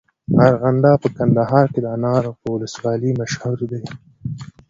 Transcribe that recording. ارغنداب په کندهار کي د انارو په ولسوالۍ مشهوره دی.